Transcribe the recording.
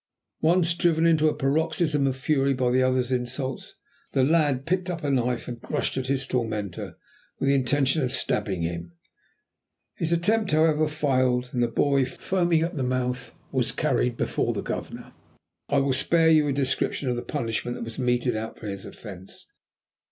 Once, driven into a paroxysm of fury by the other's insults, the lad picked up a knife and rushed at his tormentor with the intention of stabbing him. His attempt, however, failed, and the boy, foaming at the mouth, was carried before the Governor. I will spare you a description of the punishment that was meted out for his offence.